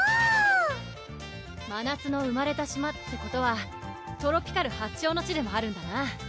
まなつの生まれた島ってことは「トロピカる」発祥の地でもあるんだな